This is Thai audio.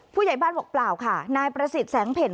ผู้ใหญ่บ้านบอกเปล่าค่ะนายประสิทธิ์แสงเผ่น